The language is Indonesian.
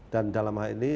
dan dalam hal ini